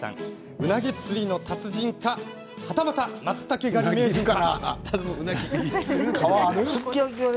うなぎ釣りの達人か、はたまたまつたけ狩り名人か。